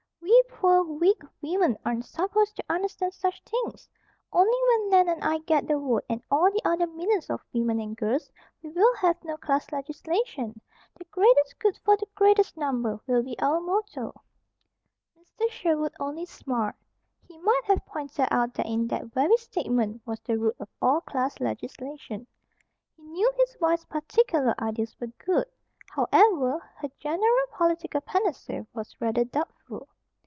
"We poor, weak women aren't supposed to understand such things. Only when Nan and I get the vote, and all the other millions of women and girls, we will have no class legislation. 'The greatest good for the greatest number' will be our motto." Mr. Sherwood only smiled. He might have pointed out that in that very statement was the root of all class legislation. He knew his wife's particular ideas were good, however, her general political panacea was rather doubtful.